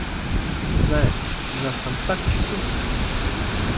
Знаєш, у нас там так чудово.